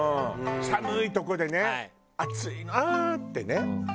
寒いとこでね熱いなってね。